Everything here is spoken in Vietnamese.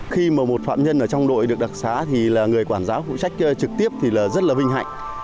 khi mà một phạm nhân ở trong đội được đặc xá thì là người quản giáo phụ trách trực tiếp thì là rất là vinh hạnh